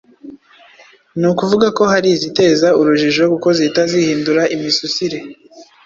Ni ukuvuga ko hari iziteza urujijo kuko zihita zihindura imisusire